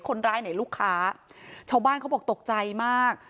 คนร้ายไหนลูกค้าชาวบ้านเขาบอกตกใจมาก